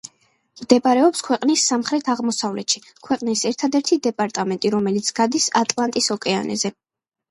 მდებარეობს ქვეყნის სამხრეთ-აღმოსავლეთში, ქვეყნის ერთადერთი დეპარტამენტი, რომელიც გადის ატლანტის ოკეანეზე.